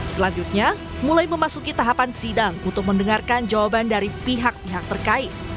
selanjutnya mulai memasuki tahapan sidang untuk mendengarkan jadwal perangkat